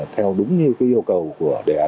theo đúng như yêu cầu của đề án sáu